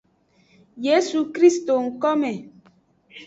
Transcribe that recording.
Le yesu krist ngkome.